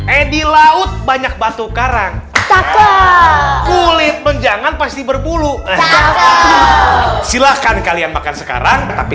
edi laut banyak batu karang takut kulit menjangan pasti berbulu silahkan kalian makan sekarang tapi